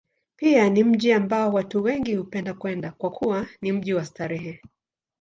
Pia ni mji ambao watu wengi hupenda kwenda, kwa kuwa ni mji wa starehe.